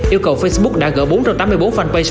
yêu cầu facebook đã gỡ bốn trăm tám mươi bốn fanpage